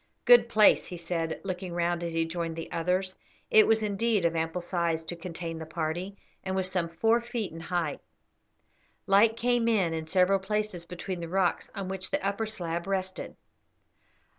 "Good place," he said, looking round as he joined the others. It was indeed of ample size to contain the party, and was some four feet in height. Light came in in several places between the rocks on which the upper slab rested.